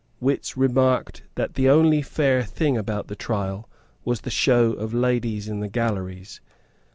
Wits remarked that the only fair thing about the trial was the show of ladies in the galleries.